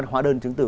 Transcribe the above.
hóa đơn chứng từ